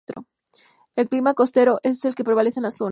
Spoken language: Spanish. El clima costero es el que prevalece en la zona.